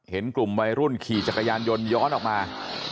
เห็นกลุ่มวัยรุ่นขี่จักรยานยนต์ย้อนออกมา